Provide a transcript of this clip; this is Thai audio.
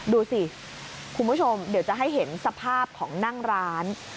ดูสิคุณผู้ชมเดี๋ยวจะให้เห็นสภาพของนั่งร้าน